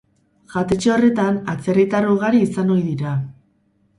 Jatetxe horretan atzerritar ugari izan ohi dira.